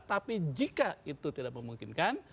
tapi jika itu tidak memungkinkan